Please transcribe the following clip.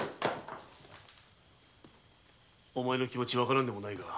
お前の気持ちわからんでもないが。